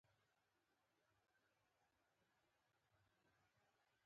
د لارې خنډونه د سفر خوندیتوب کموي.